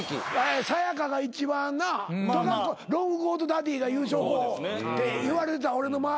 さや香が１番ロングコートダディが優勝候補っていわれてた俺の周りでは。